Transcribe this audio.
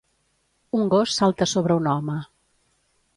Un gos salta sobre un home.